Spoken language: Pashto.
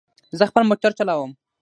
زه خپل موټر چلوم